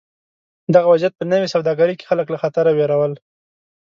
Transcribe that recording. دغه وضعیت په نوې سوداګرۍ کې خلک له خطره وېرول.